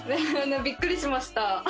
びっくりしました。